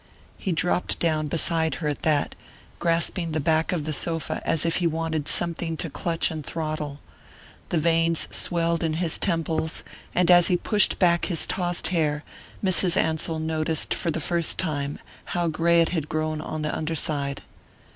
He dropped down beside her at that, grasping the back of the sofa as if he wanted something to clutch and throttle. The veins swelled in his temples, and as he pushed back his tossed hair Mrs. Ansell noticed for the first time how gray it had grown on the under side.